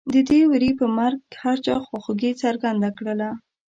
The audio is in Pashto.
د دې وري په مرګ هر چا خواخوږي څرګنده کړله.